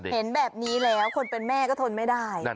เห็นแบบนี้แล้วคนเป็นแม่ก็ทนไม่ได้